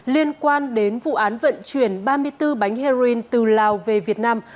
liên quan đến vụ án vận chuyển ba mươi bốn bánh heroin từ lào về việt nam